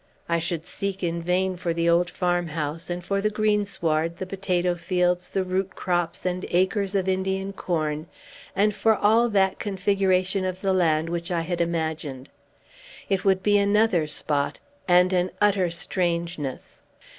I should seek in vain for the old farmhouse, and for the greensward, the potato fields, the root crops, and acres of Indian corn, and for all that configuration of the land which I had imagined. It would be another spot, and an utter strangeness.